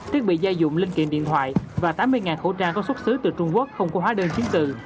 thiết bị gia dụng linh kiện điện thoại và tám mươi khẩu trang có xuất xứ từ trung quốc không có hóa đơn chiến tự